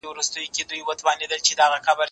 زه پرون سړو ته خواړه ورکړې!؟